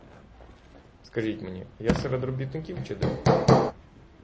Скажіть мені, я серед робітників чи де?